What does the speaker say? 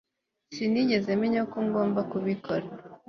Sinigeze menya ko ngomba kubikora